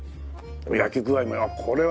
焼き具合もいい。